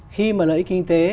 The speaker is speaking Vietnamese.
khi mà lợi ích kinh tế